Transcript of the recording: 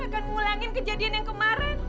gak akan mulangin kejadian yang kemarin